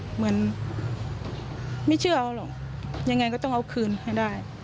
เหมือนไม่เชื่อเอาหรอกยังไงก็ต้องเอาคืนให้ได้